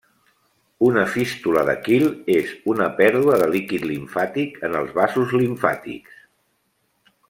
Una fístula de quil és una pèrdua de líquid limfàtic en els vasos limfàtics.